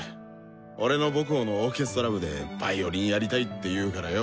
俺の母校のオーケストラ部でヴァイオリンやりたいって言うからよ。